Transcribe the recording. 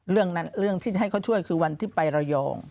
เรื่องนั้นเรื่องที่จะให้เขาช่วยคือวันที่ไประยอง